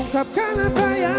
wujudkan jadi kenyataan